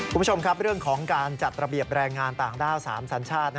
คุณผู้ชมครับเรื่องของการจัดระเบียบแรงงานต่างด้าว๓สัญชาติ